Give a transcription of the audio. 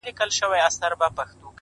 ستا د خنداوو ټنگ ټکور’ په سړي خوله لگوي’